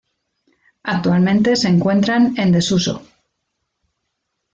Actualmente se encuentran en desuso.